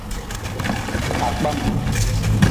Akpam.